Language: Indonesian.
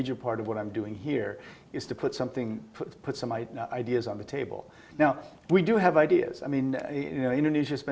setelah mereka tumbuh dan bergabung dengan pekerjaan